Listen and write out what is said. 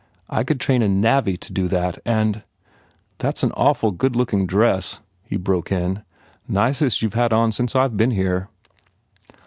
I could train a navvy to do that. And " "That s an awful good looking dress," he broke in, "Nicest you ve had on since I ve been here."